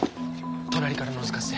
隣からのぞかせて。